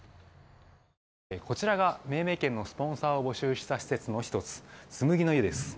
こちらが命名権のスポンサーを募集した施設の１つつむぎの湯です。